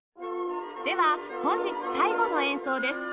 では本日最後の演奏です